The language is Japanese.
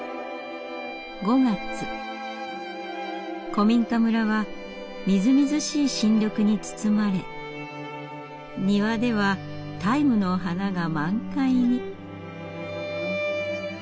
古民家村はみずみずしい新緑に包まれ庭ではタイムの花が満開に。